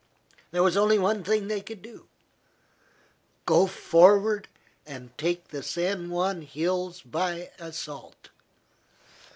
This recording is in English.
There was only one thing they could do go forward and take the San Juan hills by assault.